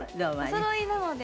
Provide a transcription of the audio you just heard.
おそろいなので。